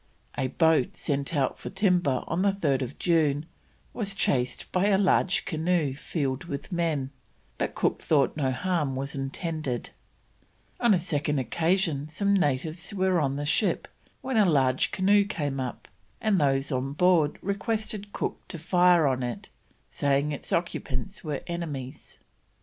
A boat sent out for timber on 3rd June was chased by a large canoe filled with men, but Cook thought no harm was intended; on a second occasion some natives were on the ship, when a large canoe came up, and those on board requested Cook to fire on it, saying its occupants were enemies.